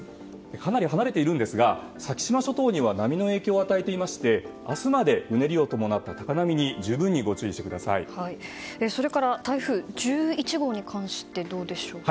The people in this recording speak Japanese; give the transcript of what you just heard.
かなり離れていますが先島諸島には波の影響を与えていまして明日までうねりを伴った高波にそれから台風１１号に関してどうでしょうか？